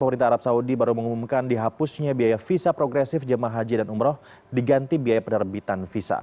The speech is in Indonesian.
pemerintah arab saudi baru mengumumkan dihapusnya biaya visa progresif jemaah haji dan umroh diganti biaya penerbitan visa